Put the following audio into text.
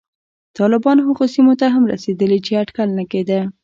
طالبان هغو سیمو ته هم رسېدلي چې اټکل نه کېده